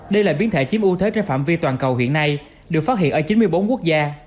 đây là biến thể chiếm ưu thế trên phạm vi toàn cầu hiện nay được phát hiện ở chín mươi bốn quốc gia